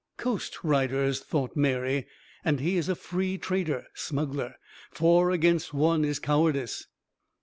"Coast riders," thought Mary, "and he a free trader [smuggler]! Four against one is cowardice."